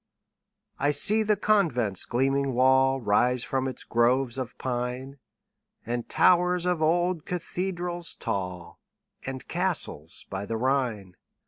I see the convent's gleaming wall Rise from its groves of pine, And towers of old cathedrals tall, And castles by the Rhine.